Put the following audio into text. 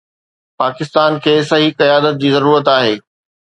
پاڪستان کي صحيح قيادت جي ضرورت آهي.